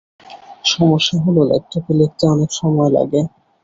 সমস্যা হলো ল্যাপটপে লিখতে অনেক সময় লাগে।